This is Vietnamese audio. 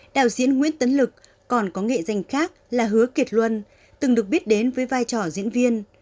đạo diễn nguyễn tấn lực còn có nghệ danh khác là hứa kiệt luân từng được biết đến với vai trò diễn viên